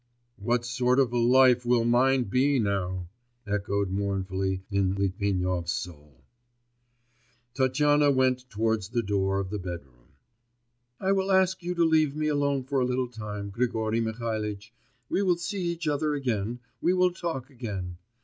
'What sort of a life will mine be now!' echoed mournfully in Litvinov's soul. Tatyana went towards the door of the bedroom. 'I will ask you to leave me alone for a little time, Grigory Mihalitch we will see each other again, we will talk again.